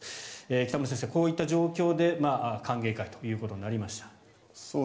北村先生、こういった状況で歓迎会ということになりました。